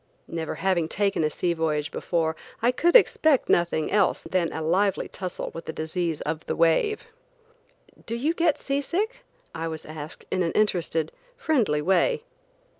Never having taken a sea voyage before, I could expect nothing else than a lively tussle with the disease of the wave. "Do you get sea sick ?" I was asked in an interested, friendly way.